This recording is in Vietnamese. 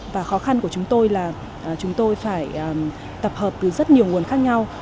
và khó khăn của chúng tôi là chúng tôi phải tập hợp từ rất nhiều nguồn khác nhau